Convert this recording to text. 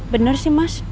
bener sih mas